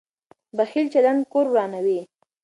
بخیل چلند کور ورانوي.